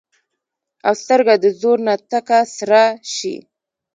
او سترګه د زور نه تکه سره شي